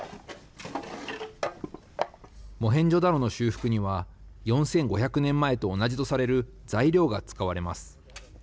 モヘンジョダロの修復には４５００年前と同じとされる材料が使われます。